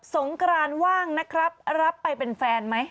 งกรานว่างนะครับรับไปเป็นแฟนไหม